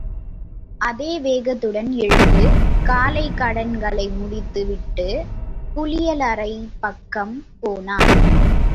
அதே வேகத்துடன், எழுந்து, காலைக் கடன்களை முடித்து விட்டுக் குளியலறைப் பக்கம் போனான்.